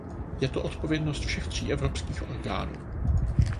Je to odpovědnost všech tří evropských orgánů.